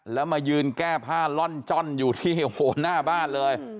แล้วมายืนแก้ผ้าล่อนจ้อนอยู่ที่หน้าบ้านเลย